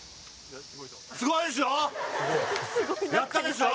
すごいでしょ！